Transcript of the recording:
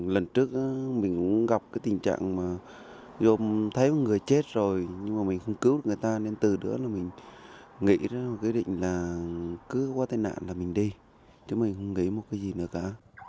lần trước mình cũng gặp cái tình trạng mà thấy một người chết rồi nhưng mà mình không cứu được người ta nên từ nữa mình nghĩ là cứu qua tai nạn là mình đi chứ mình không nghĩ một cái gì nữa cả